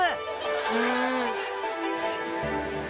うん。